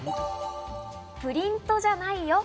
プリントじゃないよ。